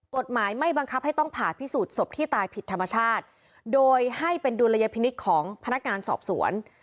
กฎหมายไม่บังคับให้ต้องผ่าพิสูจน์ศพที่ตายผิดธรรมชาติโดยให้เป็นดุลยพินิษฐ์ของพนักงานสอบสวน